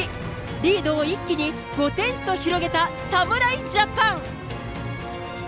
リードを一気に５点と広げた侍ジャパン。